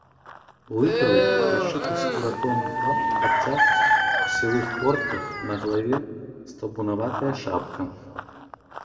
У лыкавых, падшытых скуратом, лапцях, у сівых портках, на галаве стаўбунаватая шапка.